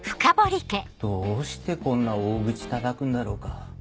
どうしてこんな大口叩くんだろうか。